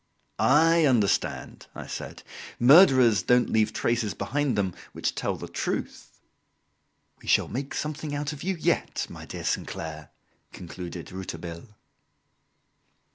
"I understand," I said; "murderers don't leave traces behind them which tell the truth." "We shall make something out of you yet, my dear Sainclair," concluded Rouletabille.